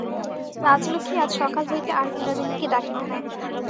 রাজলক্ষ্মী আজ সকাল হইতে আর বিনোদিনীকে ডাকেন নাই।